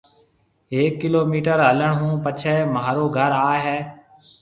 هيَڪ ڪِلو ميٽر هلڻ هون پڇيَ مهارو گھر آئي هيَ۔